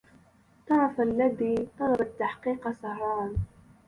طرف الذي طلب التحقيق سهران